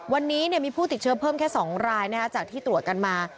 วันนี้มีผู้ติดเชื้อเพิ่มแค่๒รายจากที่ตรวจกันมา